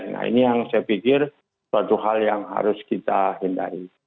nah ini yang saya pikir suatu hal yang harus kita hindari